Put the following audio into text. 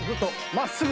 まっすぐ。